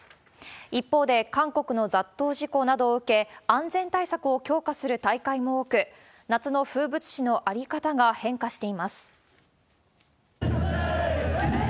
一方で、韓国の雑踏事故などを受け、安全対策を強化する大会も多く、夏の風物詩の在り方が変化しています。